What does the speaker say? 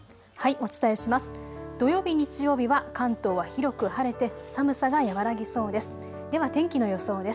お伝えします。